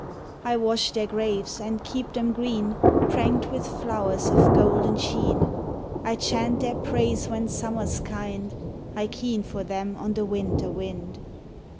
" I wash their graves and keep them green, Prankt with flowers of golden sheen 3 I chant their praise when summer's kind, I keen for them on the winter wind.